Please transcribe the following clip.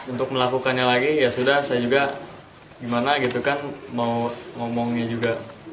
untuk melakukannya lagi ya sudah saya juga gimana gitu kan mau ngomongnya juga